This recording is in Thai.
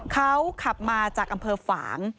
เขาขับมาจากอำเภอฝาง